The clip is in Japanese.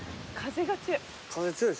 風が強い。